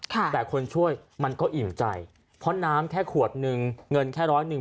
แต่คนช่วยมันก็อิ่มใจเพราะน้ำแค่ขวดหนึ่งเงินแค่ร้อยหนึ่ง